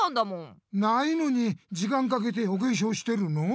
ないのに時間かけておけしょうしてるの？